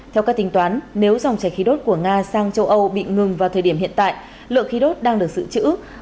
theo các tính toán nếu dòng chạy khí đốt của nga sang châu âu bị ngừng vào thời điểm hiện tại lượng khí đốt đang được sự chữ